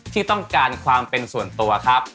ที่ต้องการความเป็นส่วนตัวครับ